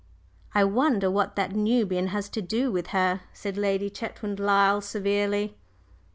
"I wonder what that Nubian has to do with her?" said Lady Chetwynd Lyle, severely.